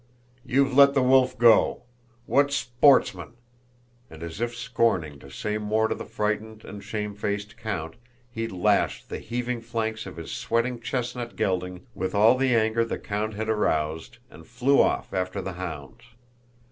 "You've let the wolf go!... What sportsmen!" and as if scorning to say more to the frightened and shamefaced count, he lashed the heaving flanks of his sweating chestnut gelding with all the anger the count had aroused and flew off after the hounds.